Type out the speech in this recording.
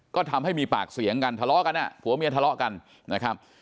ก็ทำให้มีปากเสียงกันทะเลาะกันอ่ะผัวเมียทะเลาะกันนะครับ